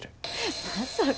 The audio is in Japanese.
まさか。